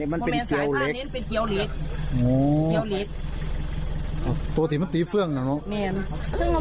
โอ้เหล็กตัวถือมตรีเฟืองนะ้ส์แนต